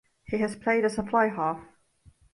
He has played as a fly-half.